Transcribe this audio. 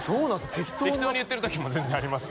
適当な適当に言ってる時も全然あります